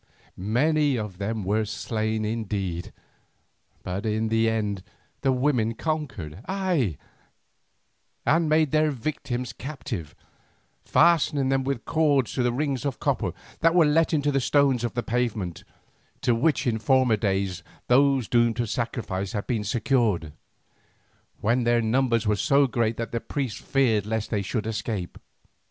Many of them were slain indeed, but in the end the women conquered, ay, and made their victims captive, fastening them with cords to the rings of copper that were let into the stones of the pavement, to which in former days those doomed to sacrifice had been secured, when their numbers were so great that the priests feared lest they should escape.